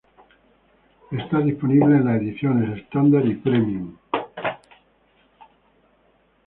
Está disponible en las ediciones Standard y Premium.